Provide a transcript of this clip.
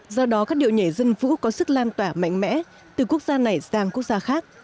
do đó các điệu nhảy dân vũ có sức lan tỏa mạnh mẽ từ quốc gia này sang quốc gia khác